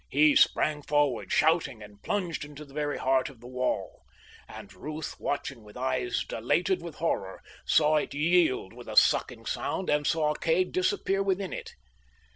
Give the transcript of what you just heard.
He sprang forward, shouting, and plunged into the very heart of the wall. And Ruth, watching with eyes dilated with horror, saw it yield with a sucking sound, and saw Kay disappear within it.